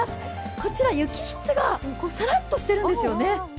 こちら、雪質がさらっとしてるんですよね。